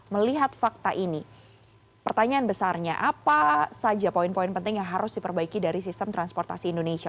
melihat fakta ini pertanyaan besarnya apa saja poin poin penting yang harus diperbaiki dari sistem transportasi indonesia